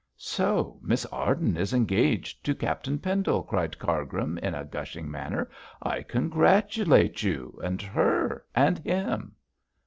'So Miss Arden is engaged to Captain Pendle,' cried Cargrim, in a gushing manner. 'I congratulate you, and her, and him.'